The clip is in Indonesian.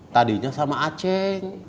tadinya sama aceh